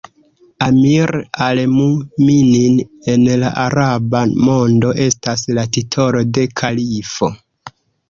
Amir al-Mu'minin en la araba mondo estas la titolo de kalifo.